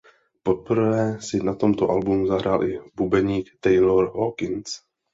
Poprvé si na tomto albu zahrál i bubeník Taylor Hawkins.